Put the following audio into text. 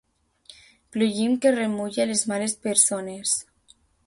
Plugim que remulla les males persones.